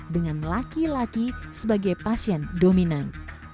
dengan laki laki sebagai pasien dominan